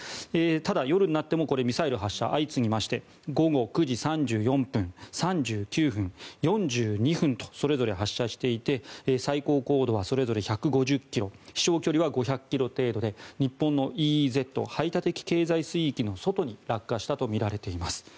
ただ、夜になってもミサイル発射、相次ぎまして午後９時３４分３９分、４２分とそれぞれ発射していて最高高度はそれぞれ１５０ｋｍ飛翔距離は５００ｋｍ程度で日本のＥＥＺ・排他的経済水域の外に落下したとみられています。